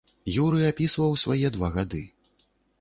Юры апісваў свае два гады.